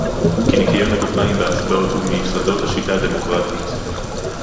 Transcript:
כי ניקיון הכפיים בהצבעות הוא מיסודות השיטה הדמוקרטית